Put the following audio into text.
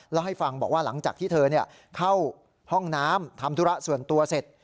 แล้วให้ฟังบอกว่าหลังจากที่เธอเข้าห้องน้ำทำธุระส่วนตัวเสร็จ